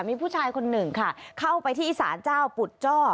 มีผู้ชายคนหนึ่งค่ะเข้าไปที่ศาลเจ้าปุดจ้อ